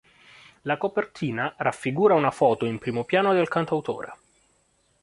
La copertina raffigura una foto in primo piano del cantautore.